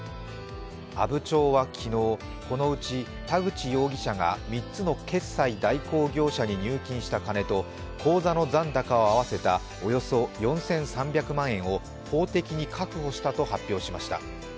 阿武町は昨日、このうち田口容疑者が３つの決済代行業者に入金した金と口座の残高を合わせたおよそ４３００万円を法的に確保したと発表しました。